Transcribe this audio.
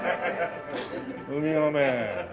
ウミガメ。